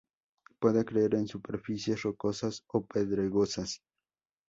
Puede crecer en superficies rocosas o pedregosas.